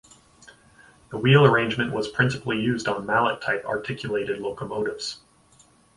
The wheel arrangement was principally used on Mallet-type articulated locomotives.